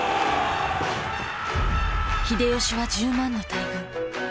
秀吉は１０万の大軍。